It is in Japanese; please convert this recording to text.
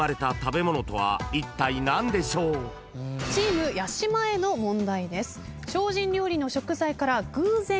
チーム八嶋への問題です。